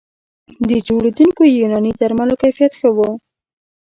د جوړېدونکو یوناني درملو کیفیت ښه و